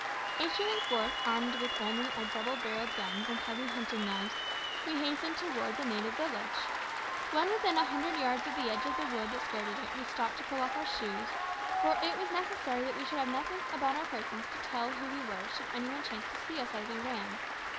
Issuing forth armed only with our double barrelled guns and heavy hunting knives, we hastened towards the native village. When within a hundred yards of the edge of the wood that skirted it we stopped to pull off our shoes, for it was necessary that we should have nothing about our persons to tell who we were should any one chance to see us as we ran.